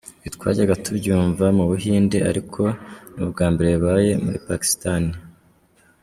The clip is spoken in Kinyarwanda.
Ibi twajyaga tubyumva mu buhinde ariko ni ubwambere bibaye muri Pakistan.